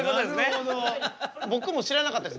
僕も知らなかったです。